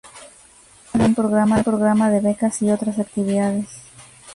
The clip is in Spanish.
Dispone de un programa de becas y otras actividades.